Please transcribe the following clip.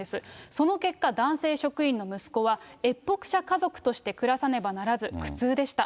その結果、男性職員の息子は越北者家族として暮らさねばならず苦痛でした。